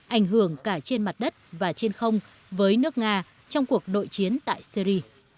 ảnh hưởng cả trên mặt đất và trên không với nước nga trong cuộc nội chiến tại syri